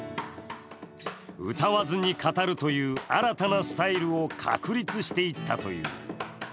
歌わずに語るという新たなスタイルを確立していったという。